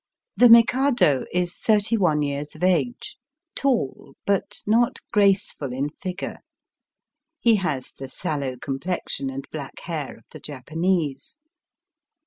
The Mikado is thirty one years of age, tall, bat not graceful in figure. He has the sallow complexion and black hair of the Japanese.